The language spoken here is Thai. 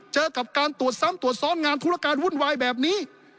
เจอกับการตรวจซ้ำตรวจซ้อนงานธุรการวุ่นวายแบบนี้